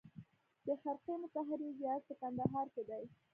د خرقې مطهرې زیارت په کندهار کې دی